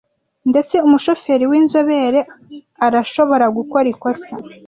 Ndetse umushoferi winzobere arashobora gukora ikosa.